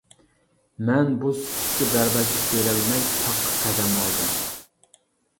مەن بۇ سۈكۈتكە بەرداشلىق بېرەلمەي تاققا قەدەم ئالدىم.